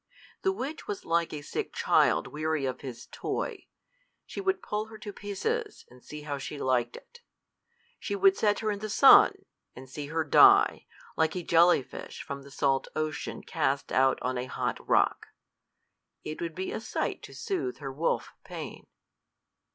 The witch was like a sick child weary of his toy: she would pull her to pieces, and see how she liked it. She would set her in the sun, and see her die, like a jelly fish from the salt ocean cast out on a hot rock. It would be a sight to soothe her wolf pain.